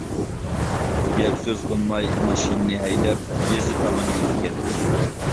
گەپ سۆز قىلماي ماشىنىنى ھەيدەپ، يېزا تامان يۈرۈپ كەتتىم.